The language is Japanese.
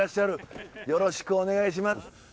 よろしくお願いします。